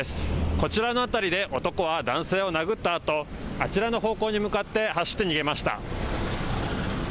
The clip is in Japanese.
こちらの辺りで男は男性を殴ったあと、あちらの方向に向かって走って逃げました。